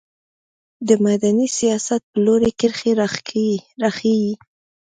د مدني سیاست په لوري کرښې راښيي.